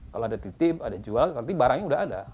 kalau ada titip ada jual berarti barangnya sudah ada